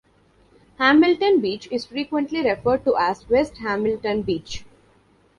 Hamilton Beach is frequently referred to as West Hamilton Beach.